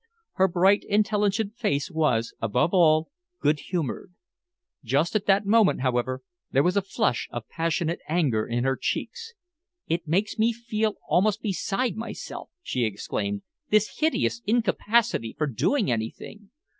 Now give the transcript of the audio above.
Her bright, intelligent face was, above all, good humoured. Just at that moment, however, there was a flush of passionate anger in her cheeks. "It makes me feel almost beside myself," she exclaimed, "this hideous incapacity for doing anything!